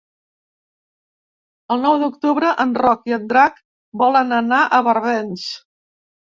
El nou d'octubre en Roc i en Drac volen anar a Barbens.